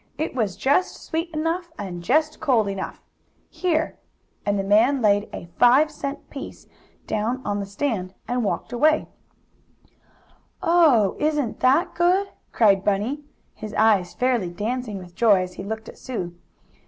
It was just sweet enough, and just cold enough. Here!" and the man laid a five cent piece down on the stand and walked off. "Oh, isn't that good!" cried Bunny, his eyes fairly dancing with joy as he looked at Sue.